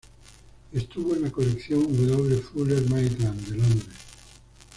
Estuvo en la colección W. Fuller Maitland de Londres.